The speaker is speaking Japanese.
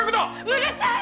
うるさい！